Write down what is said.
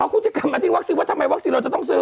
อ้าวกูจะกลับมาที่วักซีว่าทำไมวักซีเราจะต้องซื้อ